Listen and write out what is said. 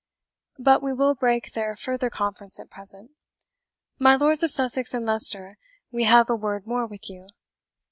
But we will break their further conference at present. My Lords of Sussex and Leicester, we have a word more with you.